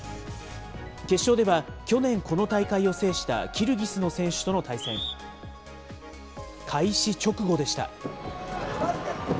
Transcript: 決勝では、去年、この大会を制したキルギスの選手との対戦。開始直後でした。